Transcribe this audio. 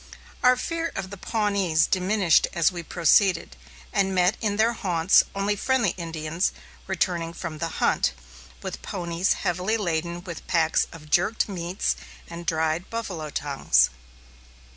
Our fear of the Pawnees diminished as we proceeded, and met in their haunts only friendly Indians returning from the hunt, with ponies heavily laden with packs of jerked meats and dried buffalo tongues.